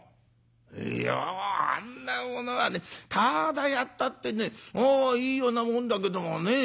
「いやあんなものはねタダでやったってねいいようなもんだけどもね。